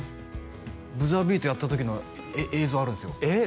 ブザービートやった時の映像あるんですよえっ